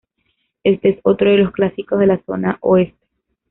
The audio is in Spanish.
Este es otro de los clásicos de la zona oeste.